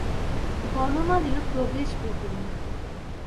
বনমালীর প্রবেশ বিপিন।